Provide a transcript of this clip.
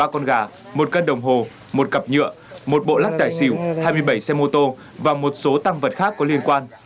ba con gà một cân đồng hồ một cặp nhựa một bộ lắc tài xỉu hai mươi bảy xe mô tô và một số tăng vật khác có liên quan